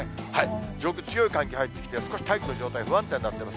上空、強い寒気が入ってきまして、大気の状態が不安定になっています。